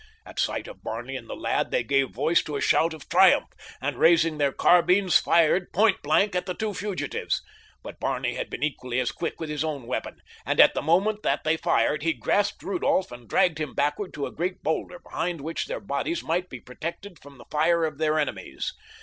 At sight of Barney and the lad they gave voice to a shout of triumph, and raising their carbines fired point blank at the two fugitives. But Barney had been equally as quick with his own weapon, and at the moment that they fired he grasped Rudolph and dragged him backward to a great boulder behind which their bodies might be protected from the fire of their enemies.